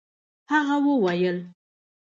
هغه وويل.